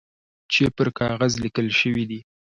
چي پر کاغذ لیکل شوي دي .